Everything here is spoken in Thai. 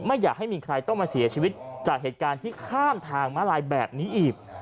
อยากให้มีใครต้องมาเสียชีวิตจากเหตุการณ์ที่ข้ามทางมาลายแบบนี้อีก